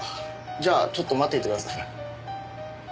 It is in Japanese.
じゃあちょっと待っていてください。